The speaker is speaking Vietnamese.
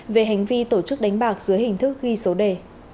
về hành vi tổ chức đánh bạc dưới hình thức ghi số đề